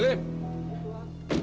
aku sudah selesai